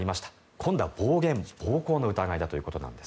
今度は暴言・暴行の疑いだということなんです。